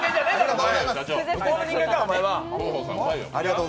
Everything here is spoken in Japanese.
向こうの人間か、お前は。